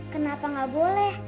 kenapa gak boleh